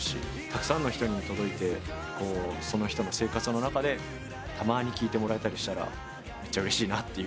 たくさんの人に届いてその人の生活の中でたまに聴いてもらえたりしたらめっちゃうれしいなと。